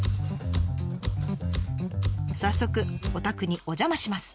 早速お宅にお邪魔します。